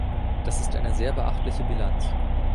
Das ist eine sehr beachtliche Bilanz.